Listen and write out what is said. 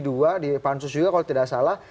di pansus juga kalau tidak salah